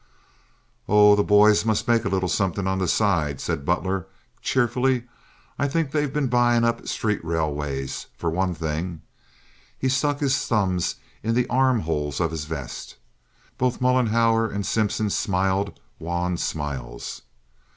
"Oh, the boys must make a little somethin' on the side," said Butler, cheerfully. "I think they've been buyin' up street railways, for one thing." He stuck his thumbs in the armholes of his vest. Both Mollenhauer and Simpson smiled wan smiles.